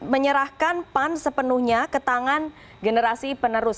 menyerahkan pan sepenuhnya ke tangan generasi penerus